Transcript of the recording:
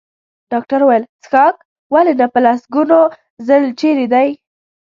ډاکټر وویل: څښاک؟ ولې نه، په لسګونو ځل، چېرې دی؟